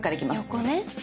横ね。